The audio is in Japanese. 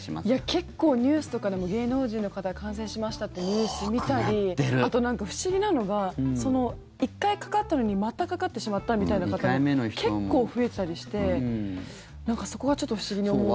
結構、ニュースとかでも芸能人の方が感染しましたってニュースを見たりあと不思議なのが１回かかったのにまたかかってしまったみたいな方が結構増えたりしてそこがちょっと不思議に思う。